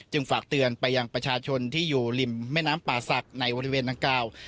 ฝากเตือนไปยังประชาชนที่อยู่ริมแม่น้ำป่าศักดิ์ในบริเวณดังกล่าว